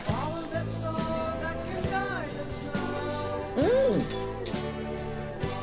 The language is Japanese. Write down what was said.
うん！